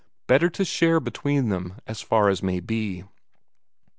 Better to share between them as far as may be.